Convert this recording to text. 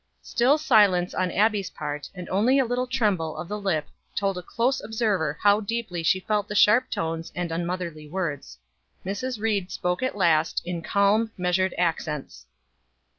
Still silence on Abbie's part, and only a little tremble of the lip told a close observer how deeply she felt the sharp tones and unmotherly words. Mrs. Ried spoke at last, in calm, measured accents.